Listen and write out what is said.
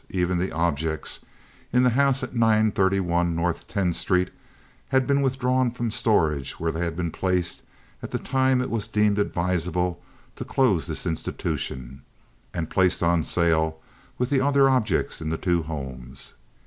Even the objects in the house at 931 North Tenth Street had been withdrawn from storage where they had been placed at the time it was deemed advisable to close this institution, and placed on sale with the other objects in the two homes.